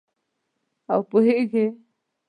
او پوهیږې